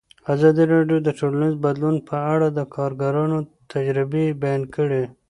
ازادي راډیو د ټولنیز بدلون په اړه د کارګرانو تجربې بیان کړي.